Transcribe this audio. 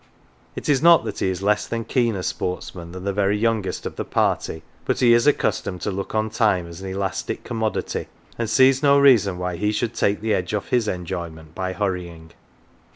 It is not that he is less keen a sportsman than the very youngest of the party, but he is accustomed to look on time as an elastic commodity, and sees no reason why he should take the edge off his enjoyment by hurrying.